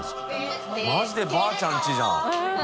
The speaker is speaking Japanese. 泪犬ばあちゃんちじゃん。